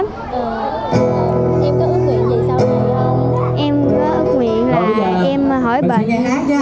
em hỏi bệnh